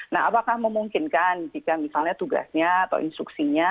nah apakah memungkinkan jika misalnya tugasnya atau instruksinya